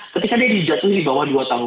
ketika dia dijatuhi bawah dua tahun